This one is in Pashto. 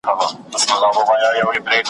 د پانوس تتي رڼا ته به شرنګی وي د پایلو `